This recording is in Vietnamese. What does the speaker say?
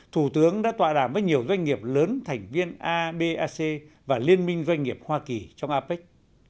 thủ tướng đã tọa đảm với nhiều doanh nghiệp lớn thành viên a b a c và liên minh doanh nghiệp hoa kỳ trong apec